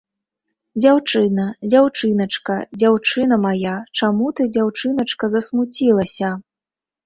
Дзяўчына, дзяўчыначка, дзяўчына мая, чаму ты, дзяўчыначка, засмуцілася?